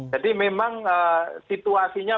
jadi memang situasinya